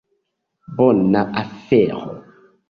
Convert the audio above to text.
Bona afero.